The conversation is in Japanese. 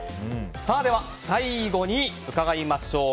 では、最後に伺いましょう。